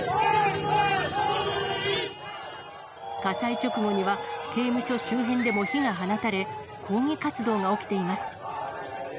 火災直後には、刑務所周辺でも火が放たれ、抗議活動が起きています。